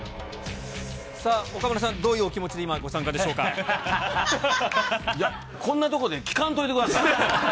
さあ、岡村さん、どういうおいや、こんなところで聞かんといてください。